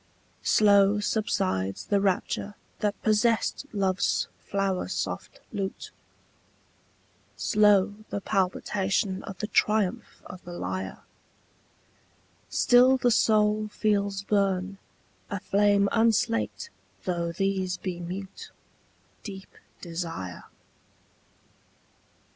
Slow subsides the rapture that possessed love's flower soft lute, Slow the palpitation of the triumph of the lyre: Still the soul feels burn, a flame unslaked though these be mute, Deep desire.